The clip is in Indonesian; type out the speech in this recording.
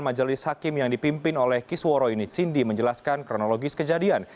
majelis hakim yang dipimpin oleh kisworo ini sindi menjelaskan kronologis kejadian